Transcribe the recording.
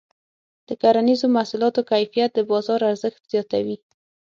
د کرنیزو محصولاتو کیفیت د بازار ارزښت زیاتوي.